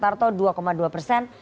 tidak tahu tidak jawab satu satu persen